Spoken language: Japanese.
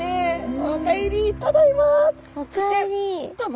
「お帰り」「ただいま」。